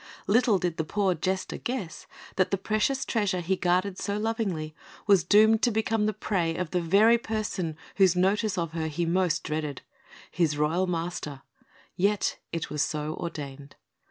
Little did the poor Jester guess that the precious treasure he guarded so lovingly was doomed to become the prey of the very person whose notice of her he most dreaded his royal master; yet so it was ordained.